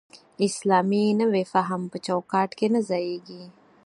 اسلامي نوی فهم په چوکاټ کې نه ځایېږي.